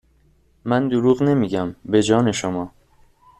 من دروغ نمیگم. به جان شما